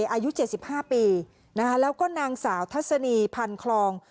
อายุ๗๕ปีแล้วก็นางสาวทัศนีพันคลอง